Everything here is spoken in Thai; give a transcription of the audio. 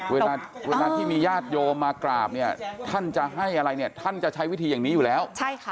เวลาที่มีญาติโยมมากราบเนี่ยท่านจะให้อะไรเนี่ยท่านจะใช้วิธีอย่างนี้อยู่แล้ว